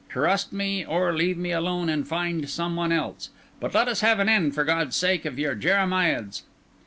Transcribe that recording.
Trust me, or leave me alone and find some one else; but let us have an end, for God's sake, of your jeremiads."